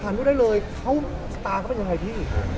ถามลด้วยเลยเขาตาเขาไม่เยอะไทยพี่